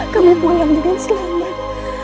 kami pulang dengan selamat